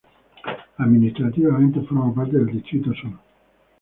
Administrativamente, forma parte del Distrito Sur.